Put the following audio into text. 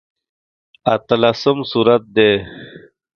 اتلسم سورت دی.